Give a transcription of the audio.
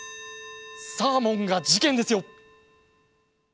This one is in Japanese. サーモンが事件ですよ。